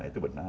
nah itu benar